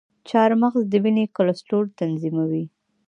چارمغز د وینې کلسترول تنظیموي.